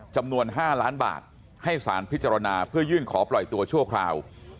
จำนวน๕ล้านบาทให้สารพิจารณาเพื่อยื่นขอปล่อยตัวชั่วคราว